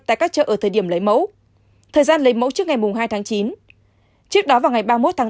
tại các chợ ở thời điểm lấy mẫu thời gian lấy mẫu trước ngày hai tháng chín trước đó vào ngày ba mươi một tháng tám